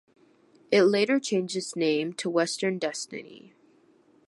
It later changed its name to "Western Destiny".